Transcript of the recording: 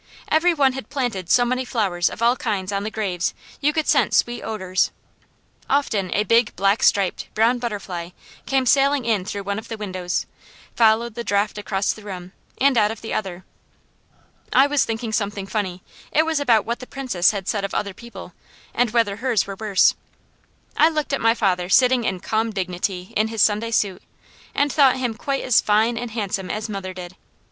Every one had planted so many flowers of all kinds on the graves you could scent sweet odours. Often a big, black striped, brown butterfly came sailing in through one of the windows, followed the draft across the room, and out of another. I was thinking something funny: it was about what the Princess had said of other people, and whether hers were worse. I looked at my father sitting in calm dignity in his Sunday suit and thought him quite as fine and handsome as mother did.